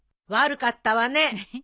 悪かったわね。